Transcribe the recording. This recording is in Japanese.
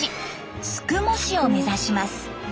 宿毛市を目指します。